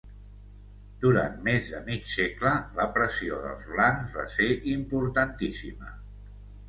Durant més de mig segle, la pressió dels blancs va ser importantíssima.